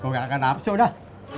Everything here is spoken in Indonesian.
gue gak akan nafsu dah